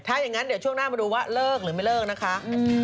ถ้าอย่างนั้นเดี๋ยวช่วงหน้ามาดูว่าเลิกหรือไม่เลิกนะคะ